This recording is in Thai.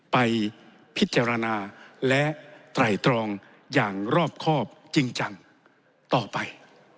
ไปพิจารณาและไตรตรองอย่างรอบครอบจริงจังต่อไป